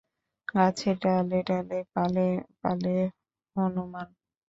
গাছের ডালে ডালে পালে পালে হনুমান।